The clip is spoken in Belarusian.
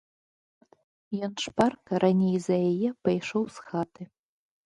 Ён шпарка, раней за яе, пайшоў з хаты.